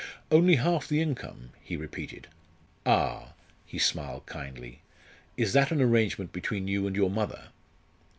"Only half the income?" he repeated. "Ah!" he smiled kindly "is that an arrangement between you and your mother?"